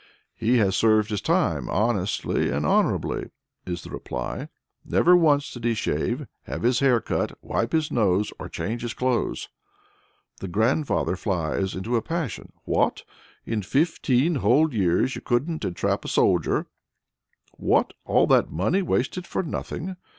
"He has served his time honestly and honorably," is the reply. "Never once did he shave, have his hair cut, wipe his nose, or change his clothes." The "grandfather" flies into a passion. "What! in fifteen whole years you couldn't entrap a soldier! What, all that money wasted for nothing!